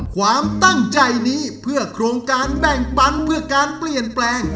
ความตั้งใจนี้เพื่อโครงการแบ่งปันเพื่อการเปลี่ยนแปลง